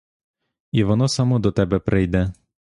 І воно само до тебе прийде.